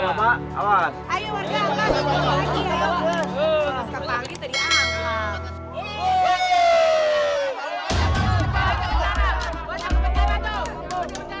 banyak penjaga tuh